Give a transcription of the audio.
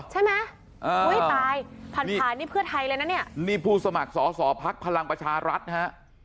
ใช่ไหมอุ้ยตายผ่านผ่านนี่เพื่อไทยเลยนะเนี่ยนี่ผู้สมัครสอสอภักดิ์พลังประชารัฐนะฮะ